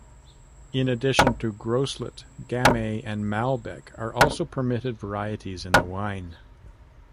In addition to Groslet, Gamay and Malbec are also permitted varieties in the wine.